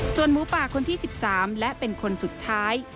ส่วนหมูป่าคนที่๑๓และเป็นคนสุดท้าย